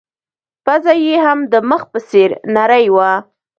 پزه يې هم د مخ په څېر نرۍ وه.